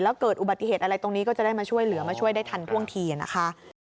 แล้วเกิดอุบัติเหตุอะไรตรงนี้ก็จะได้มาช่วยเหลือมาช่วยได้ทันท่วงทีนะคะ